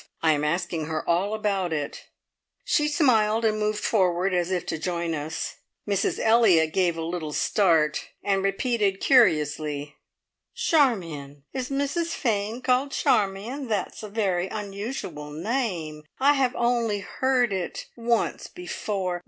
I am asking her all about it." She smiled, and moved forward as if to join us. Mrs Elliott gave a little start, and repeated curiously, "Charmion! Is Mrs Fane called Charmion? That's a very unusual name. I have only heard it once before.